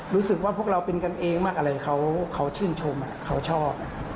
รู้สึกว่าพวกเราเป็นกันเองมากอะไรเขาชื่นชมเขาชอบ